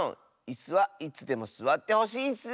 いすはいつでもすわってほしいッス！